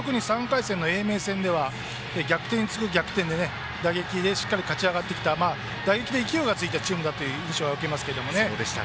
特に英明戦では逆転に次ぐ逆転で打撃でしっかり勝ち上がってきた打撃で勢いがついたチームだと印象を受けます。